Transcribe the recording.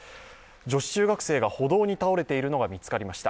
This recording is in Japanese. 女子中学生が歩道に倒れているのが見つかりました。